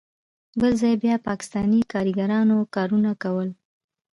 بل ځای بیا پاکستانی کاریګرانو کارونه کول.